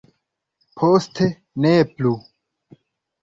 Poste ne plu.